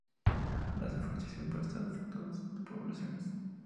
La deforestación podría estar afectando a sus poblaciones.